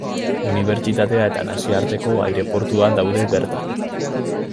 Unibertsitatea eta nazioarteko aireportua daude bertan.